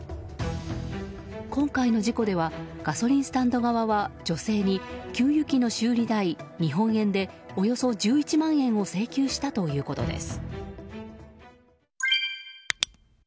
今回の事故ではガソリンスタンド側は女性に女性に給油機の修理代日本円でおよそ１１万円を請求したということです。